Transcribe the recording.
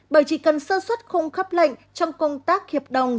bởi chỉ cần sơ xuất khung khắp lệnh trong công tác hiệp đồng